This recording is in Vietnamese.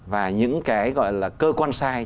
và những cái gọi là cơ quan sai